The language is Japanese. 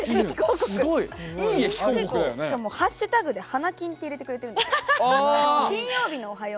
しかも、ハッシュタグで「＃華金」って入れてくれてるんですよ。